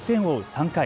３回。